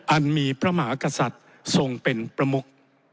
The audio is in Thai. อันมีพระมหากษัตริย์ทรงเป็นประมุก